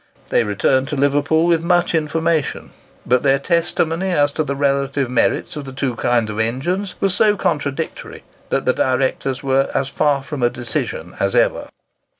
They returned to Liverpool with much information; but their testimony as to the relative merits of the two kinds of engines was so contradictory, that the directors were as far from a decision as ever.